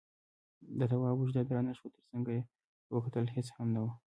د تواب اوږه درنه شوه، تر څنګ يې ور وکتل، هېڅ هم نه و.